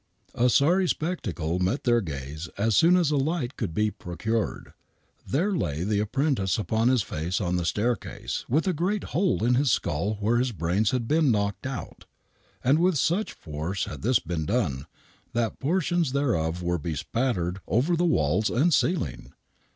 , A sorry spectacle met their gaze as soon as a light could be pro cured. There lay the apprentice upon his face on the staircase with a great hole in his skull where his brains had been knocked out, and with such force had this been done, that portions thereof were bespattered over the walls and ceiling.